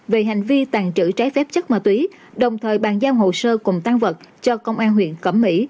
về hành vi tàn trữ trái phép chất ma túy đồng thời bàn giao hồ sơ cùng tăng vật cho công an huyện cẩm mỹ